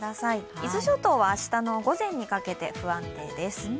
伊豆諸島は明日の午前にかけて不安定です。